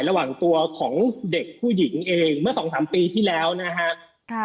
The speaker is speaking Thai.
ระหว่างตัวของเด็กผู้หญิงเองเมื่อสองสามปีที่แล้วนะฮะ